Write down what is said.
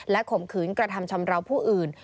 ข่มขืนกระทำชำราวผู้อื่น